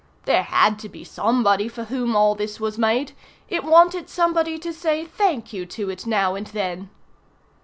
"There had to be somebody for whom all this was made. It wanted somebody to say thank you to it now and then."